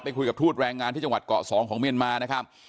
คุยกับทูตแรงงานที่จังหวัดเกาะสองของเมียนมานะครับ